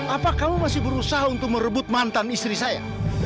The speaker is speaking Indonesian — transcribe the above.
apa kamu masih berusaha untuk merebut mantan istri saya